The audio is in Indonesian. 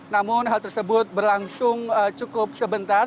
namun hal tersebut berlangsung cukup sebentar